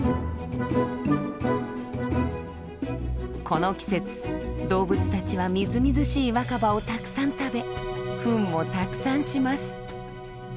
この季節動物たちはみずみずしい若葉をたくさん食べフンもたくさんします。